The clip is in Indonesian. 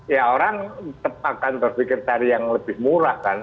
ya orang akan berpikir tari yang lebih murah